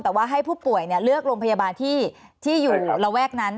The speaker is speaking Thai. แต่ว่าให้ผู้ป่วยเลือกโรงพยาบาลที่อยู่ระแวกนั้น